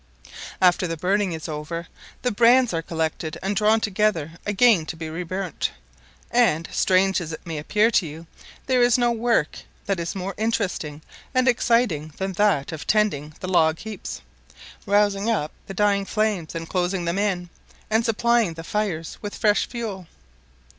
After the burning is over the brands are collected and drawn together again to be reburnt; and, strange as it may appear to you, there is no work that is more interesting and exciting than that of tending the log heaps, rousing up the dying flames and closing them in, and supplying the fires with fresh fuel.